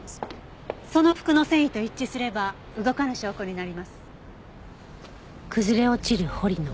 その服の繊維と一致すれば動かぬ証拠になります。